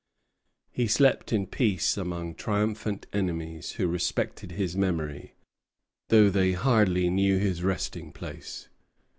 He slept in peace among triumphant enemies, who respected his memory, though they hardly knew his resting place.